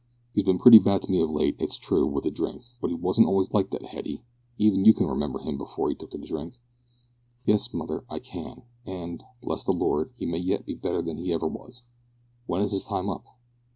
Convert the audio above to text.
He's bin pretty bad to me of late, it's true, wi' that drink, but he wasn't always like that, Hetty; even you can remember him before he took to the drink." "Yes, mother, I can, and, bless the Lord, he may yet be better than he ever was. When is his time up?"